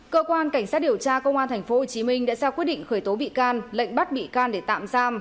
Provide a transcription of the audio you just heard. cơ quan cảnh sát điều tra công an tp hcm đã ra quyết định khởi tố bị can lệnh bắt bị can để tạm giam